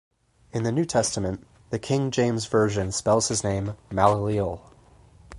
In the New Testament, the King James Version spells his name Maleleel.